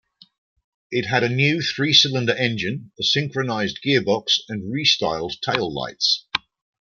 It had a new, three-cylinder engine, a synchronized gearbox and restyled tail lights.